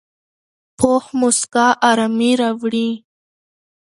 پوخ مسکا آرامي راوړي